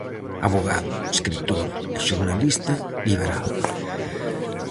Avogado, escritor e xornalista liberal.